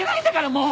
もう。